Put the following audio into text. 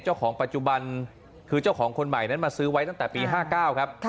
เจ้าของปัจจุบันคือเจ้าของคนใหม่นั้นมาซื้อไว้ตั้งแต่ปี๕๙ครับ